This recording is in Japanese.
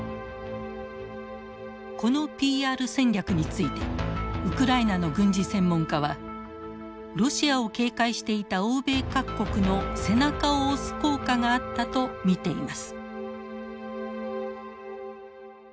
このＰＲ戦略についてウクライナの軍事専門家はロシアを警戒していた欧米各国の背中を押す効果があったと見ています。